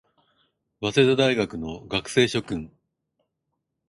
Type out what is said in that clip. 早稲田大学の学生諸君